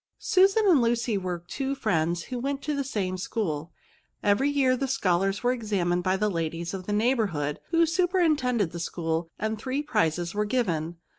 Susan and Lucy were two friends, who went to the same school. Every year the scholars were examined by the ladies of the neigli bourhood, who superintended the school, and three prizes were given.